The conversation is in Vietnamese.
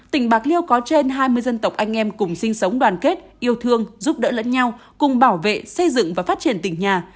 tỉnh bạc liêu có trên hai mươi dân tộc anh em cùng sinh sống đoàn kết yêu thương giúp đỡ lẫn nhau cùng bảo vệ xây dựng và phát triển tỉnh nhà